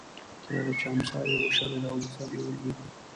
تر هغې چې امسا یې وشړېده او جسد یې ولوېد.